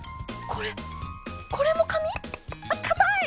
これこれも紙？硬い！